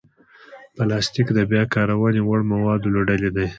پلاستيک د بیا کارونې وړ موادو له ډلې دی.